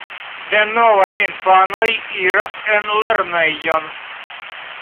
Denove infanoj iras en lernejon.